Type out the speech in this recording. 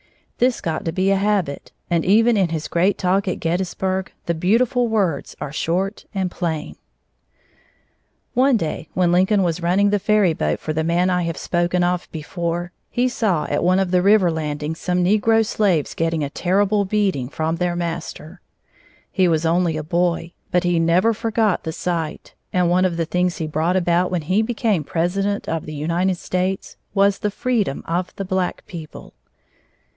This got to be a habit, and even in his great talk at Gettysburg the beautiful words are short and plain. One day when Lincoln was running the ferry boat for the man I have spoken of before, he saw at one of the river landings some negro slaves getting a terrible beating by their master. He was only a boy, but he never forgot the sight, and one of the things he brought about when he became President of the United States was the freedom of the black people.